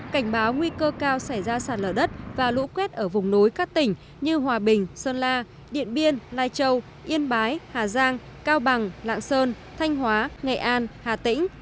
cảnh báo nguy cơ cao xảy ra sạt lở đất và lũ quét ở vùng núi các tỉnh như hòa bình sơn la điện biên lai châu yên bái hà giang cao bằng lạng sơn thanh hóa nghệ an hà tĩnh